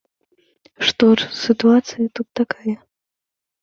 Што ж, сітуацыя тут такая.